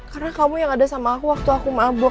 karena kamu yang ada sama aku waktu aku mabuk